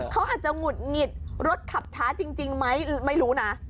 เขาอาจจะหงุดหงิดรถขับช้าจริงไหมไม่รู้นะ